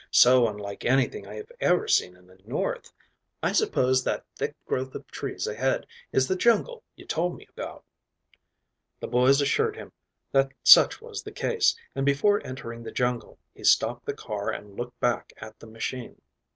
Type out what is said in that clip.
So unlike anything I have ever seen in the North. I suppose that thick growth of trees ahead is the jungle you told me about." The boys assured him that such was the case, and before entering the jungle he stopped the car and looked back at the machine.